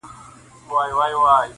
بخته راته یو ښکلی صنم راکه.